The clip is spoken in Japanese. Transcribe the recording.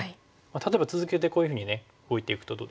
例えば続けてこういうふうに置いていくとどうですか？